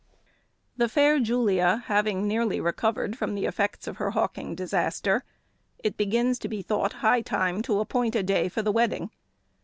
The fair Julia having nearly recovered from the effects of her hawking disaster, it begins to be thought high time to appoint a day for the wedding.